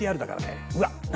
うわっ何